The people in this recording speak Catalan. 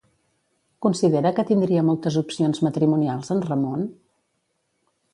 Considera que tindria moltes opcions matrimonials en Ramon?